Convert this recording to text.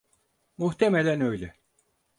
Muhtemelen öyle.